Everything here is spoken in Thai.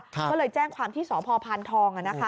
ก็เลยแจ้งความที่สพทองค่ะ